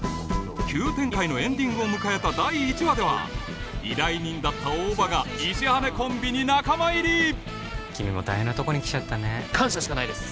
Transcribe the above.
急展開のエンディングを迎えた第１話では依頼人だった大庭が石羽コンビに仲間入り君も大変なとこに来ちゃったね感謝しかないです